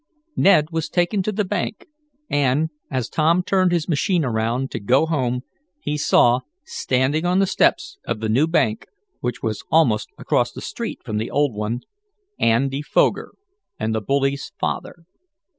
Ned was taken to the bank, and, as Tom turned his machine around, to go home, he saw, standing on the steps of the new bank, which was almost across the street from the old one, Andy Foger, and the bully's father.